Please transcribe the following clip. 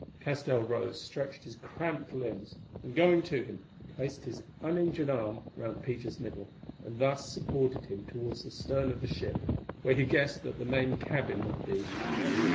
Castell rose, stretched his cramped limbs, and going to him, placed his uninjured arm round Peter's middle, and thus supported him towards the stern of the ship, where he guessed that the main cabin would be.